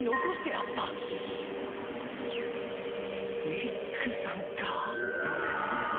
ニックさんかあ。